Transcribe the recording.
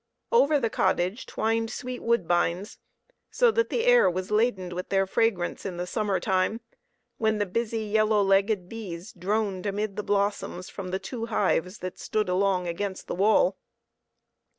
Over the cottage twined sweet woodbines, so that the air was ladened with their fragrance in the summer time, when the busy, yellow legged bees droned amid the blossoms from the two hives that stood along against the wall.